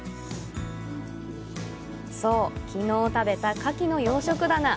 そう、きのう食べた牡蠣の養殖棚。